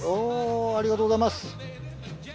ありがとうございます。